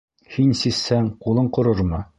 Һин сисһәң, ҡулың ҡорормо?